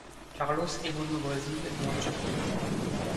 Carlos évolue au Brésil et en Turquie.